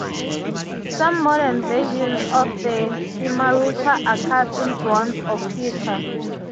Some modern versions of the cimaruta are cast in bronze or pewter.